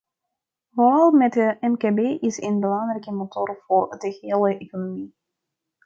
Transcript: Vooral het mkb is een belangrijke motor voor de hele economie.